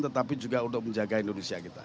tetapi juga untuk menjaga indonesia kita